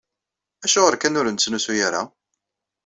Acuɣer kan ur nettnusu ara?